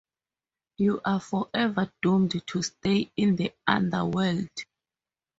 You are forever doomed to stay in the underworld.